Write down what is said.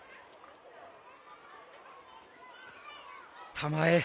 たまえ